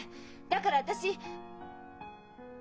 だから私。